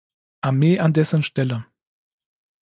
Armee an dessen Stelle.